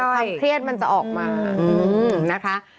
ความเครียดมันจะออกมานะคะ